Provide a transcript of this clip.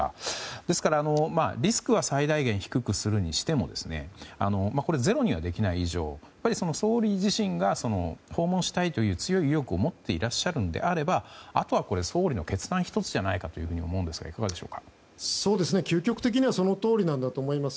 ですから、リスクは最大限低くするにしてもゼロにはできない以上総理自身が訪問したいという強い意欲を持っていらっしゃるのであればあとは総理の決断一つではないかと究極的にはそのとおりだと思います。